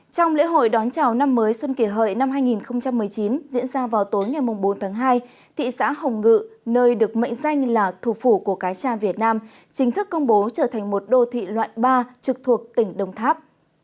trong lễ hội đón chào năm mới xuân kỷ hợi năm hai nghìn một mươi chín diễn ra vào tối ngày bốn tháng hai thị xã hồng ngự nơi được mệnh danh là thủ phủ của cái cha việt nam chính thức công bố trở thành một đô thị loại ba trực thuộc tỉnh đồng tháp